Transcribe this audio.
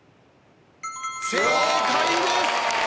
正解です。